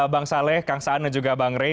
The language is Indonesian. bang saleh kangsaan dan juga bang rey